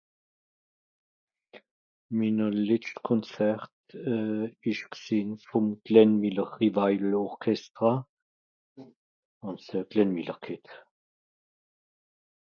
minne letscht konzert euh esch gsìn vòm glen miller ... orchestra àlso glen miller g'hett